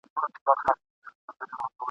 خپل پردي ورته راتلل له نیژدې لیري !.